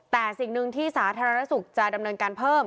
แต่สิ่งหนึ่งที่สาธารณสุขจะดำเนินการเพิ่ม